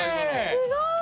すごい。